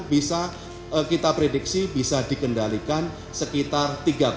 bisa kita prediksi bisa dikendalikan sekitar tiga